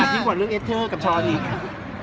ไม่ครับคือแม่ก็ได้ครับผมเป็นไทยยูนคลุม